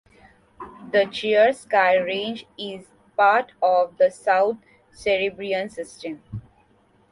The Chersky Range is part of the South Siberian System.